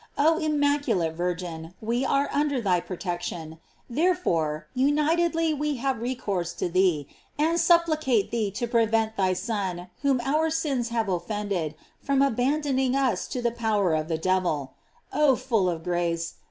Oh immaculate Vir gin! we are under thy protection; therefore, unitedly we have recourse to thee, and supplicate thee to prevent thy Son, whom our sins have offended, from abandoning us to the power of the devil. Oh full of grace!